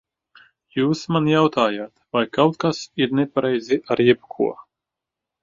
Jūs man jautājat, vai kaut kas ir nepareizi ar jebko?